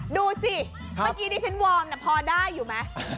ดูสิมันได้ฉันวอร์มพอได้อยู่ไหม